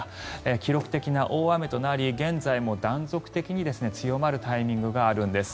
記録的な大雨となり現在も断続的に強まるタイミングがあるんです。